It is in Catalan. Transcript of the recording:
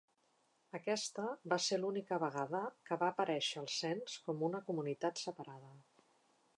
Aquesta va ser l'única vegada que va aparèixer al cens com una comunitat separada.